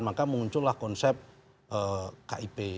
maka muncullah konsep kip